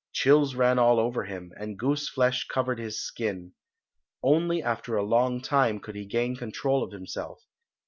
Chills ran all over him, and goose flesh covered his skin; only after a long time could he gain control of himself.